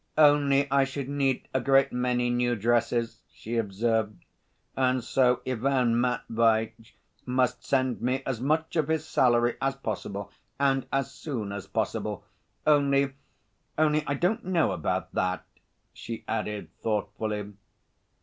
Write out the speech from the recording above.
"Only I should need a great many new dresses," she observed, "and so Ivan Matveitch must send me as much of his salary as possible and as soon as possible. Only ... only I don't know about that," she added thoughtfully.